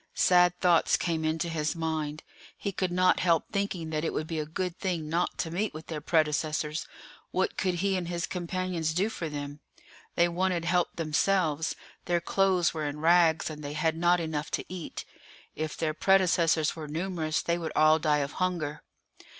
Sad thoughts came into his mind; he could not help thinking that it would be a good thing not to meet with their predecessors; what could he and his companions do for them? They wanted help themselves; their clothes were in rags, and they had not enough to eat. If their predecessors were numerous they would all die of hunger.